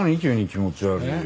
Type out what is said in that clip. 気持ち悪い。